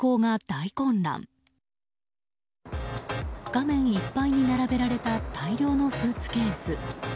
画面いっぱいに並べられた大量のスーツケース。